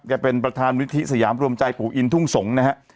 เป็นประธานวิธีสยามรวมใจปู่อินทุ่งสงศ์นะฮะ